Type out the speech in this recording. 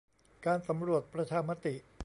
การสำรวจประชามติ